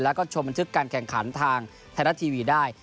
แล้วก็ชมบันทึกการแข่งขันทางไทยรัฐทีวีได้